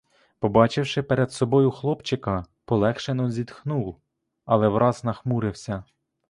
Побачивши перед собою хлопчика, полегшено зітхнув, але враз нахмурився.